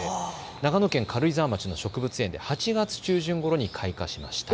長野県軽井沢町の植物園で８月中旬ごろに開花しました。